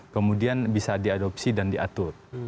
kemudian bisa diadopsi dan diatur